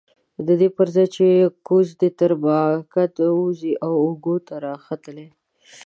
ددې پرځای چې ګوز دې تر مکعده ووځي اوږو ته راختلی.